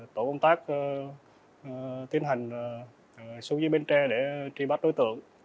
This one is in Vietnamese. tổ công tác tiến hành xuống dưới bến tre để trì bắt đối tượng